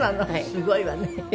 すごいわね。